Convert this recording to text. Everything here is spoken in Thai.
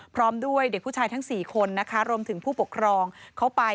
พร้อมด้วยเด็กผู้ชายทั้ง๔คนนะคะรวมถึงผู้ปกครองเข้าไป